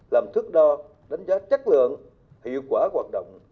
làm thước đo đánh giá chất lượng hiệu quả hoạt động